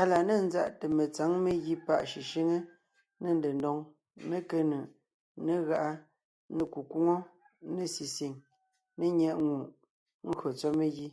Á la ne ńzáʼte metsǎŋ megǐ páʼ shʉshʉ́ŋe, ne ndedóŋ, ne kénʉʼ, ne gáʼa, ne kukwóŋo, ne sisìŋ ne nyɛ́ʼŋùʼ ngÿo tsɔ́ megǐ.